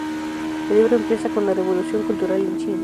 El libro empieza con la Revolución cultural en China.